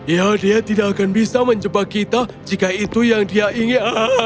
ya dia tidak akan bisa menjebak kita jika itu yang dia ingin